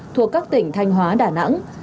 thuộc các tỉnh thanh hóa đà nẵng